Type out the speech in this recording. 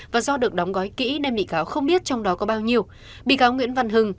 và do được đóng gói kỹ nên bị cáo không biết trong đó có bao nhiêu